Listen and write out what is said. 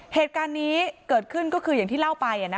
เหตุการณ์นี้เกิดขึ้นก็คืออย่างที่เล่าไป